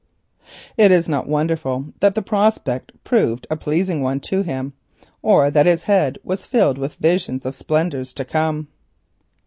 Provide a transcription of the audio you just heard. It is not wonderful that the prospect proved a pleasing one to him, or that his head was filled with visions of splendours to come.